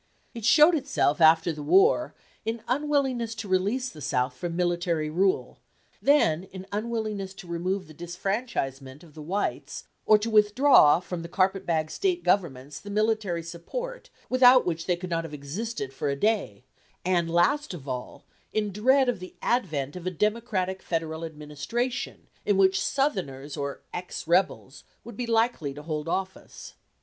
It showed itself after the war in unwillingness to release the South from military rule; then in unwillingness to remove the disfranchisement of the whites or to withdraw from the carpet bag State governments the military support without which they could not have existed for a day; and, last of all, in dread of the advent of a Democratic Federal Administration in which Southerners or "ex rebels" would be likely to hold office.